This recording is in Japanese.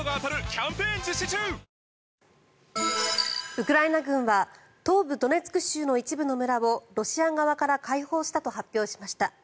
ウクライナ軍は東部ドネツク州の一部の村をロシア側から解放したと発表しました。